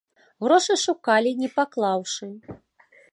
Грошы шукалі, не паклаўшы.